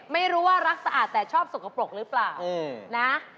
ไม่รู้ว่ารักสะอาดแต่ชอบสกปรกหรือเปล่านะ